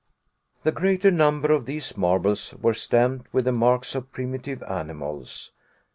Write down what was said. The greater number of these marbles were stamped with the marks of primitive animals.